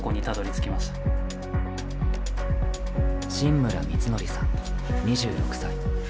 榛村光哲さん２６歳。